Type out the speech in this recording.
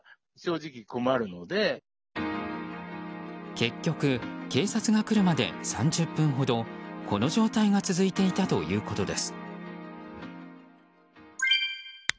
結局、警察が来るまで３０分ほどこの状態が続いたということです。